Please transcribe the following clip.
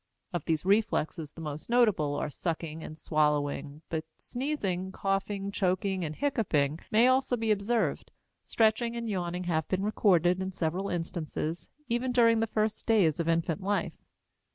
Of these reflexes the most notable are sucking and swallowing, but sneezing, coughing, choking, and hiccoughing may also be observed; stretching and yawning have been recorded in several instances, even during the first days of infant life.